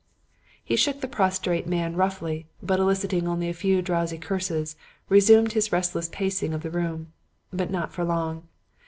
"He shook the prostrate man roughly, but eliciting only a few drowsy curses, resumed his restless pacing of the room. But not for long.